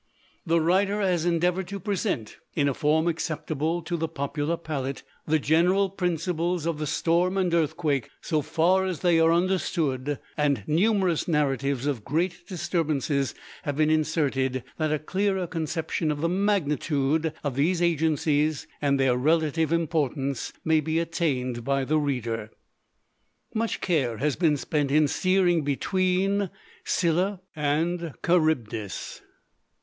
The writer has endeavored to present in a form acceptable to the popular palate the general principles of the storm and earthquake so far as they are understood: and numerous narratives of great disturbances have been inserted that a clearer conception of the magnitude of these agencies and their relative importance may be attained by the reader. Much care has been spent in "steering between Scylla and Charybdis."